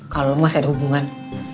kalo enggak saya ada hubungan